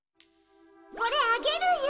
これあげるよ。